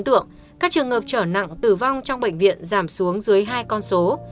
rất ấn tượng các trường ngợp trở nặng tử vong trong bệnh viện giảm xuống dưới hai con số